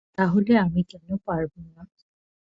তাহলে আমি কেন পারবো না?